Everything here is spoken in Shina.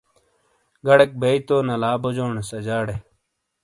گڑیک بئیی تو نلا بوجونیس اجاڑے